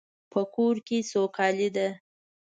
په کور کې سوکالی ده